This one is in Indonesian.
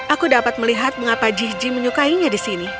aku dapat melihat mengapa jiji menyukainya di sini